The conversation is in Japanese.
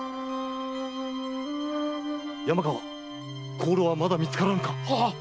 香炉はまだ見つからぬか？